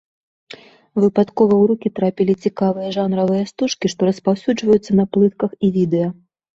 Выпадкова ў рукі трапілі цікавыя жанравыя стужкі, што распаўсюджваюцца на плытках і відэа.